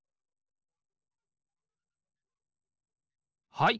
はい。